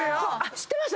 知ってます